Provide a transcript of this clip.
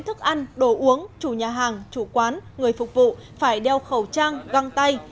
thức ăn đồ uống chủ nhà hàng chủ quán người phục vụ phải đeo khẩu trang găng tay